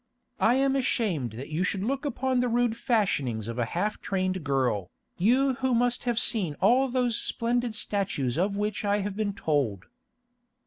I am ashamed that you should look on the rude fashionings of a half trained girl, you who must have seen all those splendid statues of which I have been told."